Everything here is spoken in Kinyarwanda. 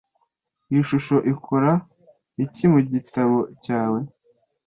Iyi shusho ikora iki mu gitabo cyawe?